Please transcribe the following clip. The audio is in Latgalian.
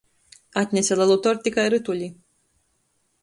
Atnese lelu torti kai rytuli.